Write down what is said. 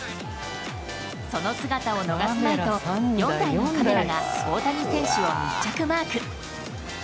その姿を逃すまいと４台のカメラが大谷選手を密着マーク。